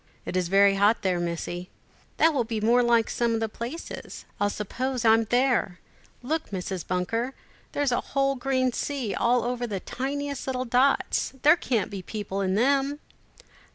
"It is very hot there, Missie." "That will be more like some of the places. I'll suppose I'm there! Look, Mrs. Bunker, here's a whole green sea, all over the tiniest little dots. There can't be people in them."